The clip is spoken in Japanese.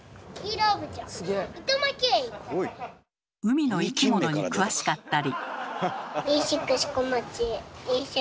海の生き物に詳しかったり。